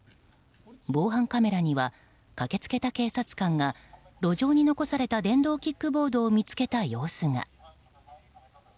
防犯カメラには駆けつけた警察官が路上に残された電動キックボードを見つけた様子が。